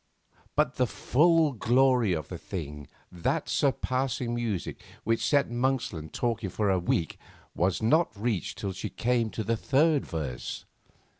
But the full glory of the thing, that surpassing music which set Monksland talking for a week, was not reached till she came to the third verse.